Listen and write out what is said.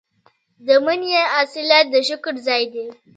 د مني حاصلات د شکر ځای دی.